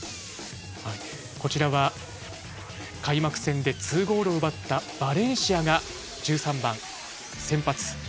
こちらは開幕戦で２ゴールを奪ったバレンシアが１３番、先発。